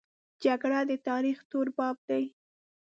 جګړه د تاریخ تور باب دی